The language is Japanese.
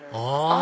あ！